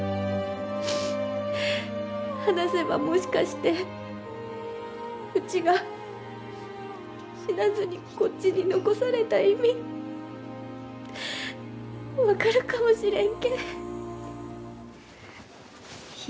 話せば、もしかしてうちが死なずにこっちに残された意味分かるかもしれんけえ。